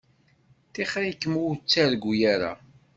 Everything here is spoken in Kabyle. Tixeṛ-ikem ur ttargu ara.